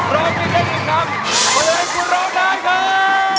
ร้องผิดไปหนึ่งคำ